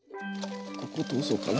ここ通そうかな。